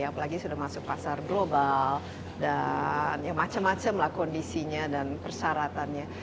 apalagi sudah masuk pasar global dan ya macam macam lah kondisinya dan persyaratannya